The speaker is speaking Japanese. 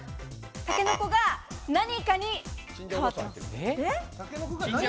たけのこが何かに変わってます。